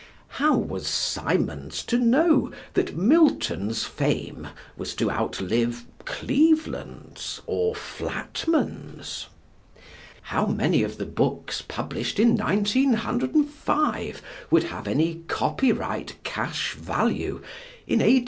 How was Symonds to know that Milton's fame was to outlive Cleveland's or Flatman's? How many of the books published in 1905 would have any copyright cash value in A.